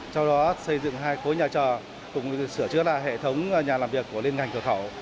sau đó xây dựng hai khối nhà chờ cũng sửa chữa lại hệ thống nhà làm việc của liên ngành cửa khẩu